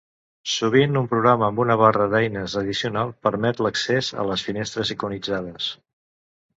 Sovint, un programa amb una barra d'eines addicional permet l'accés a les finestres iconitzades.